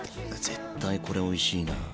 絶対これおいしいな。